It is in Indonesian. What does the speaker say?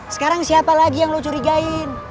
sekarang siapa lagi yang lo curigain